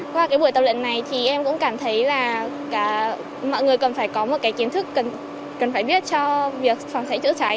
qua cái buổi tập luyện này thì em cũng cảm thấy là mọi người cần phải có một cái kiến thức cần phải biết cho việc phòng cháy chữa cháy